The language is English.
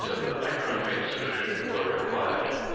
of the "bichromate" solution were required.